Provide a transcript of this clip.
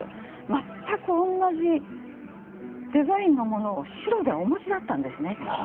全く同じデザインのものを白でお持ちだったんです。